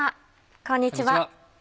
こんにちは。